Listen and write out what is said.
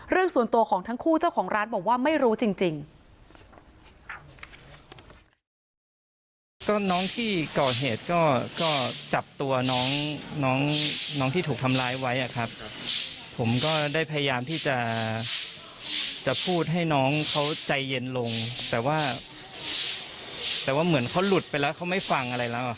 เรื่องส่วนตัวของทั้งคู่เจ้าของร้านบอกว่าไม่รู้จริง